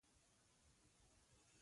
یوه بیلچه غواړم